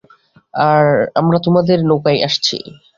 আমরা তোমাদের নৌকায় আসছি!